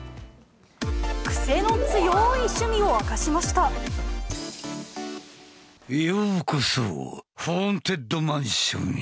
クセの強い趣味を明かしましようこそ、ホーンテッドマンションへ。